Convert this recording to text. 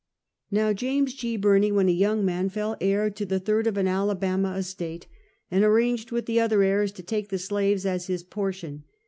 Now, James G. Birney, when a young man, fell heir to the third of an Alabama estate, and arranged with the other heirs to take the slaves as his portion.